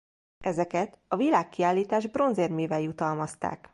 Ezeket a világkiállítás bronzérmével jutalmazták.